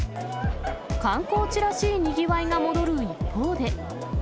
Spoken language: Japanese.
観光地らしいにぎわいが戻る一方で。